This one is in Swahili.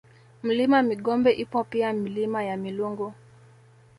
Mlima Migombe ipo pia Milima ya Milungu